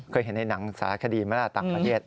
เคยเห็นในหนังสารคดีไหมล่ะต่างประเทศ